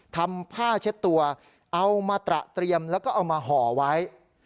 ทำผ้าเช็ดตัวเอามาตระเตรียมแล้วก็เอามาห่อไว้